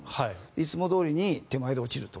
いつもどおりに手前で落ちると。